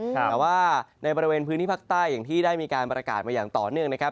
แต่ว่าในบริเวณพื้นที่ภาคใต้อย่างที่ได้มีการประกาศมาอย่างต่อเนื่องนะครับ